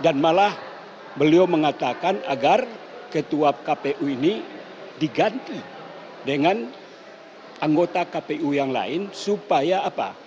malah beliau mengatakan agar ketua kpu ini diganti dengan anggota kpu yang lain supaya apa